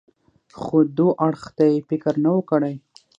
خو دو اړخ ته يې فکر نه و کړى.